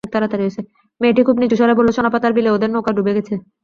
মেয়েটি খুব নিচুস্বরে বলল- সোনাপাতার বিলে ওদের নৌকা ডুবে গেছে।